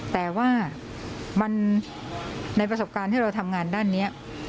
แต่ว่าในประสบการณ์ที่เราทำงานด้านนี้